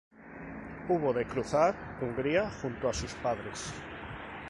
Hubo de cruzar Hungría junto a sus padres.